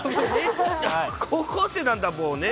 高校生なんだぼーね。